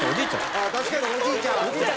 ああ確かにおじいちゃん。